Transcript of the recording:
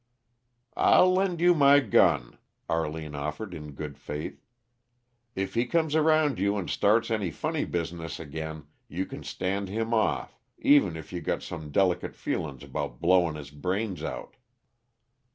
"I'll lend you my gun," Arline offered in good faith. "If he comes around you and starts any funny business again, you can stand him off, even if you got some delicate feelin's about blowin' his brains out."